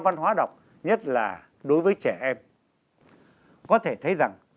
văn hóa đọc nhất là đối với trẻ em có thể thấy rằng